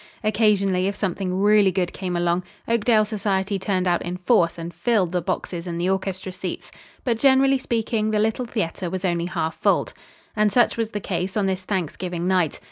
Occasionally, if something really good came along, Oakdale society turned out in force and filled the boxes and the orchestra seats; but, generally speaking, the little theater was only half filled. And such was the case on this Thanksgiving night.